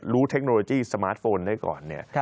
รู้เทคโนโลยีสมาร์ทโฟนได้ก่อน